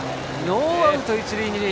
ノーアウト一塁二塁。